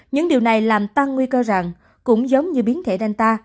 những điều này làm tăng nguy cơ rằng cũng giống như biến thể danta